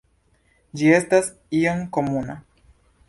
Ĝi estas iom komuna.